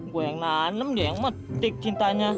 gue yang nanem dia yang metik cintanya